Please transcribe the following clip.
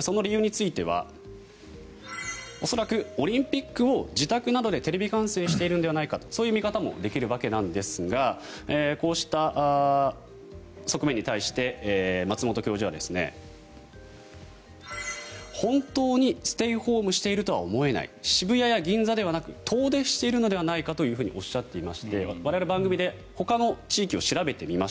その理由については恐らく、オリンピックを自宅などでテレビ観戦しているのではないかという見方もできるわけなんですがこうした側面に対して松本教授は本当にステイホームしているとは思えない渋谷や銀座ではなく遠出しているのではないかとおっしゃっていまして我々、番組でほかの地域を調べてみました。